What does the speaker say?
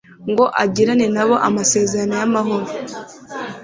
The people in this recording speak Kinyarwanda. ngo agirane na bo amasezerano y'amahoro